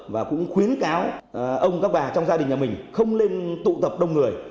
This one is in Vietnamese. và cũng khuyến cáo ông các bà trong gia đình nhà mình không nên tụ tập đông người